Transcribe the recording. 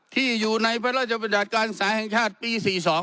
ที่อยู่ในพระราชบัญญัติการศึกษาแห่งชาติปี๔๒